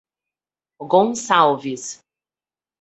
Gonçalves